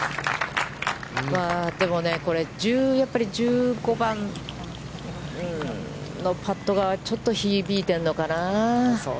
でもね、これ、１５番のパットが、ちょっと響いてるのかなぁ。